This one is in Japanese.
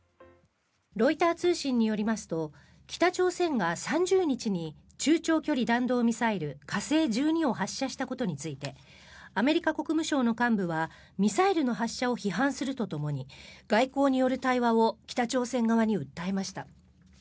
ロイター通信によりますと北朝鮮が３０日に中長距離弾道ミサイル火星１２を発射したことについてアメリカ国務省の幹部はミサイルの発射を批判するとともに外交による対話を北朝鮮側に訴えました。